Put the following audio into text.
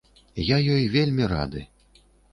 Я ёй вельмі рады.